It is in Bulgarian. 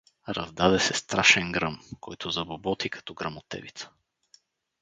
Раздаде се страшен гръм, който забоботи като гръмотевица.